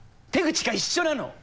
手口が一緒なの！